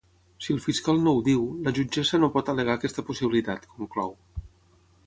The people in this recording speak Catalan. Si el fiscal no ho diu, la jutgessa no pot al·legar aquesta possibilitat, conclou.